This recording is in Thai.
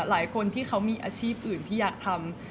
หลายคนที่เขามีอาชีพอื่นที่อยากทำ